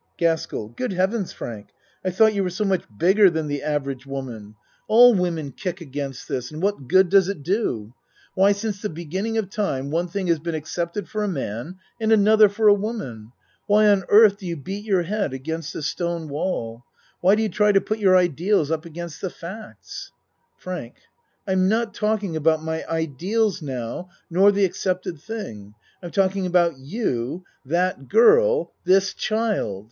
GASKELL Good heavens, Frank, I tho't you were so much bigger than the average woman. All ACT IV in women kick against this and what good does it do? Why since the beginning of time one thing has been accepted for a man and another for a woman. Why on earth do you beat your head against a stone wall ? Why do you try to put your ideals up against the facts? FRANK I'm not talking about my ideals now, nor the accepted thing. I'm talking about you, that girl, this child.